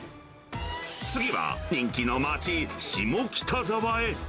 次は人気の街、下北沢へ。